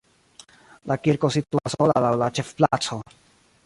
La kirko situas sola laŭ la ĉefplaco.